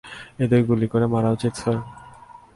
এদের গুলি করে মারা উচিত, স্যার।